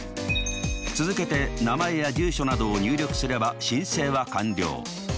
続けて名前や住所などを入力すれば申請は完了。